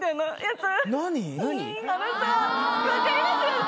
分かりますよね！